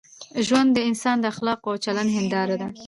ژوند د انسان د اخلاقو او چلند هنداره ده.